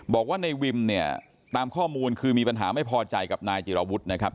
บอกว่าในวิมเนี่ยตามข้อมูลคือมีปัญหาไม่พอใจกับนายจิรวุฒินะครับ